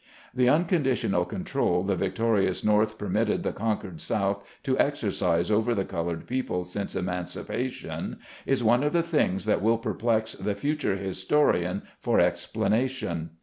The unconditional control the victorious North permitted the conquered South to exercise over the colored people since emancipation, is one of the things that will perplex the future historian for expla nation.